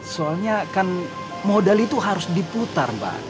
soalnya kan modal itu harus diputar mbak